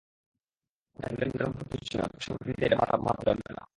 এটা গোল্ডেন বুটের মতো কিছু নয়, পরিসংখ্যান দিয়ে এটা মাপা যাবে না।